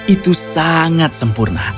itu sangat sempurna